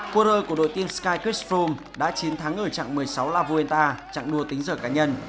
quân rơi của đội tiên skycruise froome đã chiến thắng ở trạng một mươi sáu la vuelta trạng đua tính giờ cá nhân